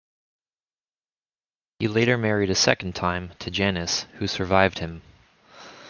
He later married a second time, to Janice, who survived him.